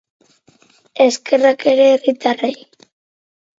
Eskerrak ere herritarrei.